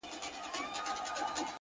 پال را وباسه زما هم له کتابه